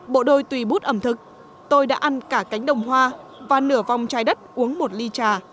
bộ đôi tùy bút ẩm thực tôi đã ăn cả cánh đồng hoa và nửa vòng trái đất uống một ly trà